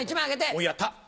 おっやった！